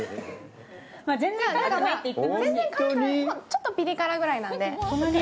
ちょっとピリ辛ぐらいなんで。